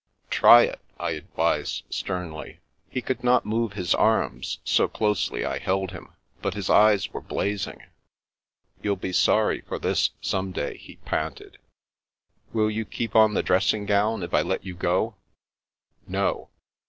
" Try it,'* I advised sternly. He could not move his arms, so closely I held him, but his eyes were blazing. " You'll be sorry for this some day," he panted. "Will you keep on the dressing gown, if I let you go?" " No."